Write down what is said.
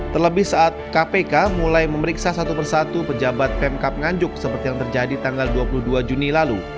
terlebih saat kpk mulai memeriksa satu persatu pejabat pemkap nganjuk seperti yang terjadi tanggal dua puluh dua juni lalu